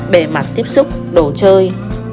bề mặt tiếp xúc đồ chơi